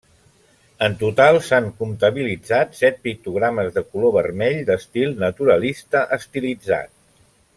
En total s'han comptabilitzat set pictogrames de color vermell d'estil naturalista-estilitzat.